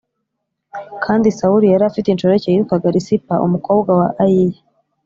Kandi Sawuli yari afite inshoreke yitwaga Risipa umukobwa wa Ayiya.